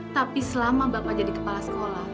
tapi selama bapak jadi kepala sekolah